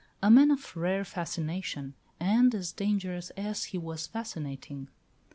A man of rare fascination, and as dangerous as he was fascinating.